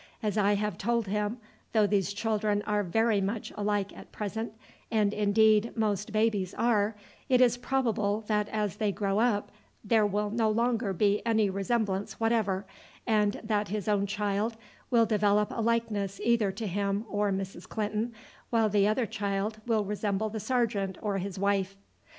As I have told him, though these children are very much alike at present and indeed most babies are it is probable that as they grow up there will no longer be any resemblance whatever, and that his own child will develop a likeness either to him or Mrs. Clinton, while the other child will resemble the sergeant or his wife."